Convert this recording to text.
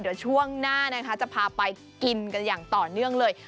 เดี๋ยวช่วงหน้านะคะจะพาไปกินกันอย่างต่อเนื่องเลย